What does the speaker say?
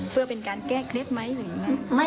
เพื่อเป็นการแกร่กริ๊บไม้หรือยังไง